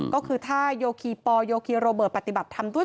ก็คือถ้าโยคีปอลโยคีโรเบิร์ตปฏิบัติธรรมด้วย